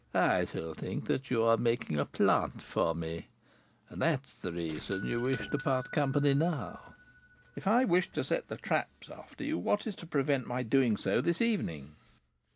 "I shall think that you are making 'a plant' for me, and that's the reason you wish to part company now." "If I wished to set the 'traps' after you, what is to prevent my doing so this evening?"